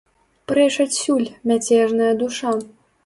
Прэч адсюль, мяцежная душа!